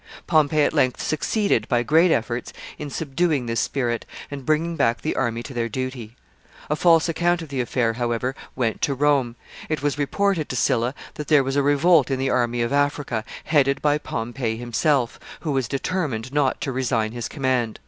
Pompey at length succeeded, by great efforts, in subduing this spirit, and bringing back the army to their duty. A false account of the affair, however, went to Rome. It was reported to Sylla that there was a revolt in the army of Africa, headed by Pompey himself, who was determined not to resign his command.